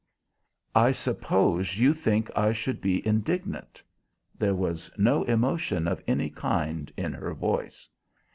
"I suppose you think I should be indignant?" There was no emotion of any kind in her voice.